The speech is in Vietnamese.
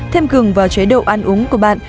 thêm gừng vào chế độ ăn uống của bạn